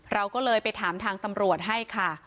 เราก็เลยไปถามทางตำรวจให้ค่ะ